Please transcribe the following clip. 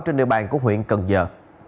trên địa bàn của huyện cần giờ